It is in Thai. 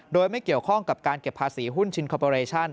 โดยไม่เกี่ยวข้องกับการเก็บภาษีหุ้นชินคอปอเรชั่น